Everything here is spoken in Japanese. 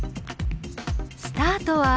スタートは。